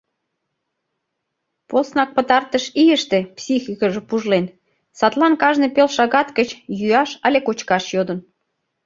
Поснак пытартыш ийыште психикыже пужлен, садлан кажне пел шагат гыч йӱаш але кочкаш йодын.